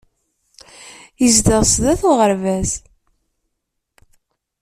Yezdeɣ sdat uɣerbaz.